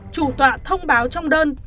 chủ tọa thông báo trong đơn